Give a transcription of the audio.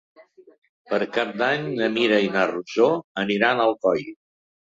Per Cap d'Any na Mira i na Rosó aniran a Alcoi.